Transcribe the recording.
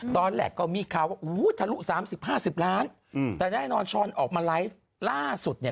ตอนแรกก็มีข่าวว่าทะลุ๓๐๕๐ล้านแต่แน่นอนช้อนออกมาไลฟ์ล่าสุดเนี่ย